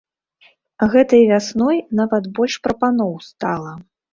Гэтай вясной нават больш прапаноў стала.